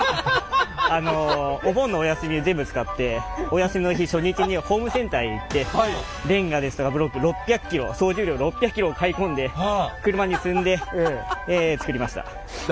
お休みの日初日にホームセンターへ行ってレンガですとかブロック６００ｋｇ総重量６００ｋｇを買い込んで車に積んで作りました！